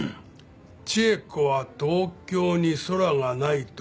「智恵子は東京に空が無いといふ」。